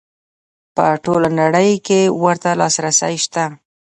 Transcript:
په ټوله نړۍ کې ورته لاسرسی شته.